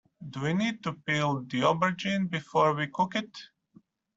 Do we need to peel the aubergine before we cook it?